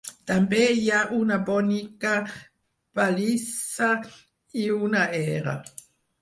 També hi ha una bonica pallissa i una era.